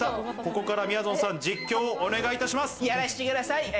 ここから、みやぞんさん、実況をお願いします。